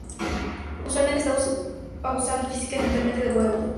Usualmente está abusando física y mentalmente de Beavis.